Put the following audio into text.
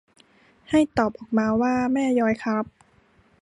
ให้ตอบออกมาว่าแม่ย้อยครับ